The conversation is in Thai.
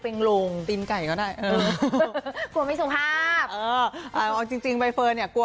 เป็นไก่ไหมครับ